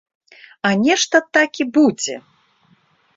А нешта такі будзе!